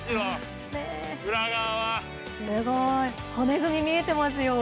すごい、骨組み見えてますよ。